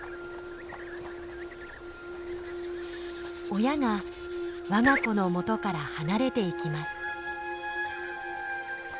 親が我が子のもとから離れていきます。